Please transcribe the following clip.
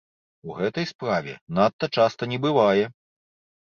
У гэтай справе надта часта не бывае.